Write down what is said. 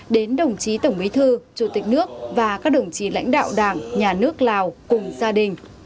đến đồng chí tổng bí thư chủ tịch nước và các đồng chí lãnh đạo đảng nhà nước lào cùng gia đình